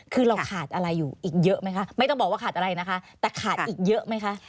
คือเราขาดอะไรอยู่อีกเยอะไหมคะไม่ต้องบอกว่าขาดอะไรนะคะแต่ขาดอีกเยอะไหมคะ